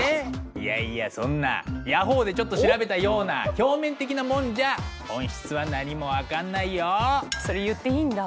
いやいやそんなヤホーでちょっと調べたような表面的なもんじゃ本質は何も分かんないよ。